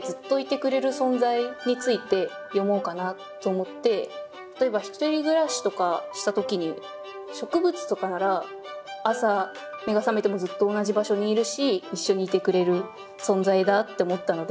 さっきの歌の例えば１人暮らしとかした時に植物とかなら朝目が覚めてもずっと同じ場所にいるし一緒にいてくれる存在だって思ったので。